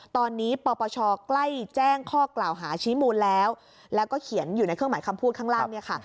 ตอนนี้ปปชใกล้แจ้งข้อกล่าวหาชี้มูลแล้วแล้วก็เขียนอยู่ในเครื่องหมายคำพูดข้างล่างเนี่ยค่ะ